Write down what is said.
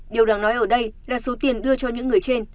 điều đáng nói ở đây là số tiền đưa cho những người trên